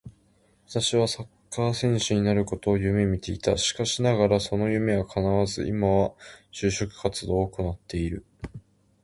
私は昔サッカー選手になることを夢見ていた。しかしながらその夢は叶わず、今は就職活動を行っている